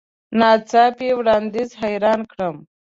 نا څاپي وړاندیز حیران کړم .